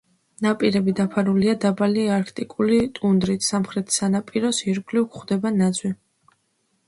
ნაპირები დაფარულია დაბალი არქტიკული ტუნდრით, სამხრეთ სანაპიროს ირგვლივ გვხვდება ნაძვი.